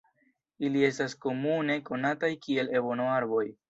Ili estas komune konataj kiel ebono-arboj.